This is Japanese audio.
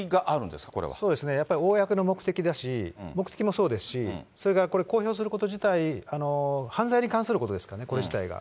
そうですね、やっぱり公の目的だし、目的もそうですし、それからこれ、公表すること自体、犯罪に関することですからね、これ自体が。